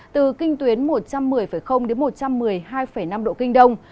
từ kinh tuyến một trăm một mươi đến một trăm một mươi hai năm độ kinh đông